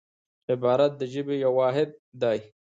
عبارت د ژبي یو واحد دئ.